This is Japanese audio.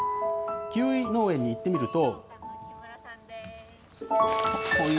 キウイ農園に行ってみると。